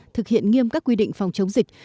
thực hiện nghiêm các quy định phòng chống dịch